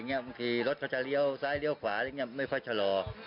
ทำงานที่ไม่ได้ร่วมชะลอ